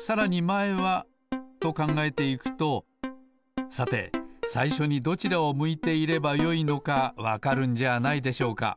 さらにまえはとかんがえていくとさてさいしょにどちらを向いていればよいのかわかるんじゃないでしょうか。